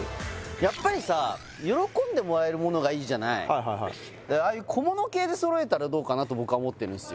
やっぱりさ喜んでもらえるものがいいじゃないああいう小物系で揃えたらどうかなと僕は思ってるんですよ